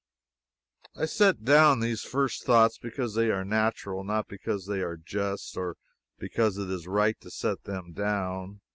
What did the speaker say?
I set down these first thoughts because they are natural not because they are just or because it is right to set them down.